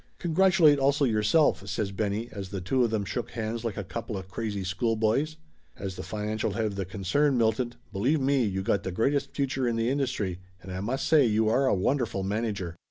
"Congratulate also yourself!" says Benny as the two of them shook hands like a coupla crazy schoolboys. "As the financial head of the concern, Milton, believe me you got the greatest future in the industry, and I must say you are a wonderful manager